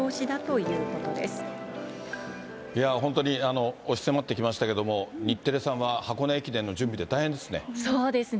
いや、本当に押し迫ってきましたけども、日テレさんは箱根駅伝の準備で大変ですね。